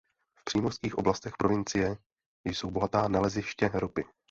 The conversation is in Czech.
V přímořských oblastech provincie jsou bohatá naleziště ropy.